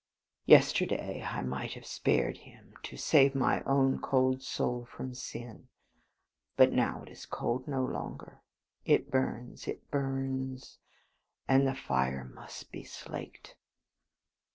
Yesterday I might have spared him, to save my own cold soul from sin; but now it is cold no longer. It burns, it burns and the fire must be slaked.